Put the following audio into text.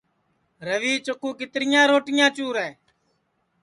روی چکُو کیتریا روٹیاں چُورے